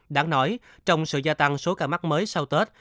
đáng nói trong sự gia tăng số ca mắc mới sau tết